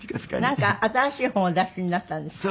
なんか新しい本をお出しになったんですって？